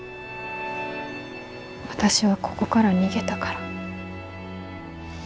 私はここから逃げたから。